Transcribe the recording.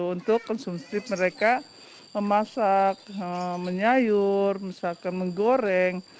untuk konsumsip mereka memasak menyayur misalkan menggoreng